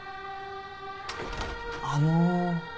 あの。